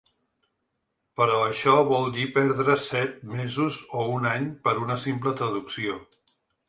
Però això vol dir perdre set mesos o un any per una simple traducció.